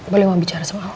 boleh mau bicara sama aku